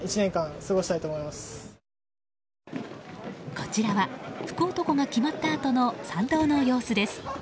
こちらは福男が決まったあとの参道の様子です。